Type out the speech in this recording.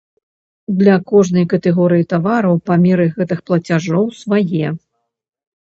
Для кожнай катэгорыі тавараў памеры гэтых плацяжоў свае.